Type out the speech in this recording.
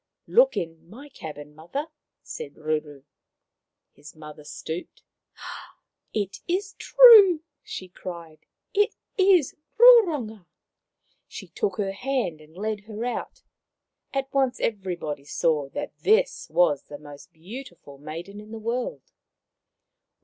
" Look in my cabin, mother," said Ruru. His mother stooped. " It is true !" she cried. " It is Roronga." She took her hand and led her out. At once everybody saw that this was the most beautiful maiden in the world.